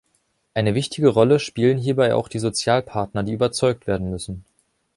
Eine wichtige Rolle spielen hierbei auch die Sozialpartner, die überzeugt werden müssen.